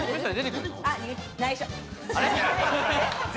内緒。